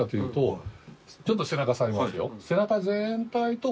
ちょっと背中触りますよ。